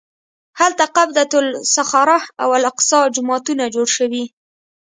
هلته قبة الصخره او الاقصی جوماتونه جوړ شوي.